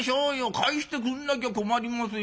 返してくんなきゃ困りますよ。